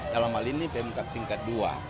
dalam hal ini pmk tingkat dua